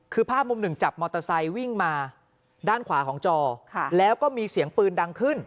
คือภาพมุมหนึ่งจับมอเตอร์ไซค์วิ่งมาด้านขวาของจอแล้วก็มีเสียงปืนดังขึ้น